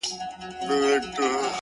پرون دي بيا راڅه خوښي يووړله _